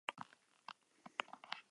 Habearte bakarreko tenplua da hau.